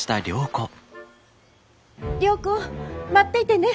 良子待っていてね。